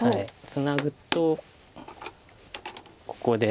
ツナぐとここで。